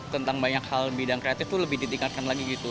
tentang banyak hal bidang kreatif tuh lebih ditingkatkan lagi gitu